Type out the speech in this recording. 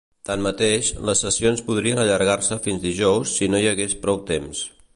Tanmateix, les sessions podrien allargar-se fins dijous si no hi hagués prou temps.